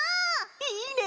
いいね！